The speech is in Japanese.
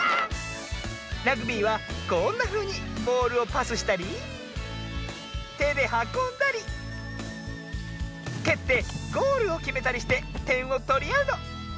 ラグビーはこんなふうにボールをパスしたりてではこんだりけってゴールをきめたりしててんをとりあうの。